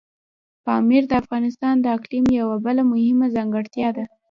پامیر د افغانستان د اقلیم یوه بله مهمه ځانګړتیا ده.